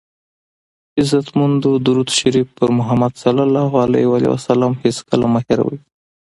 عزتمندو درود شریف په محمد ص هېڅکله مه هیروئ!